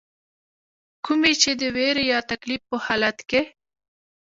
کومي چې د ويرې يا تکليف پۀ حالت کښې